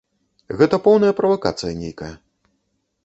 Гэта поўная правакацыя нейкая.